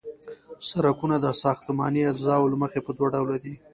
سرکونه د ساختماني اجزاوو له مخې په دوه ډلو دي